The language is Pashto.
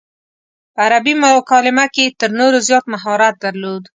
په عربي مکالمه کې یې تر نورو زیات مهارت درلود.